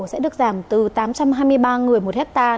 sẽ được giảm từ tám trăm hai mươi ba người một ha